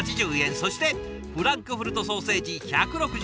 そしてフランクフルトソーセージ１６０円。